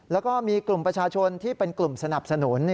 แล้วก็มีกลุ่มประชาชนที่เป็นกลุ่มสนับสนุน